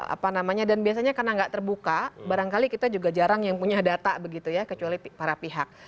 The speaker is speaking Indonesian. apa namanya dan biasanya karena nggak terbuka barangkali kita juga jarang yang punya data begitu ya kecuali para pihak